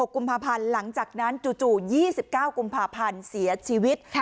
กุมภาพันธ์หลังจากนั้นจู่๒๙กุมภาพันธ์เสียชีวิต